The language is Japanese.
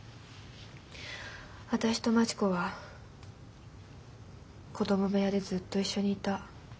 私と待子は子ども部屋でずっと一緒にいた。